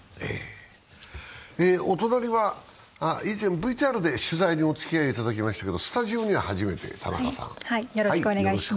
お隣は以前、ＶＴＲで取材におつきあいただきましたけど、スタジオには初めてです、田中さん。